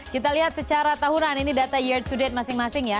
kita lihat secara tahunan ini data year to date masing masing ya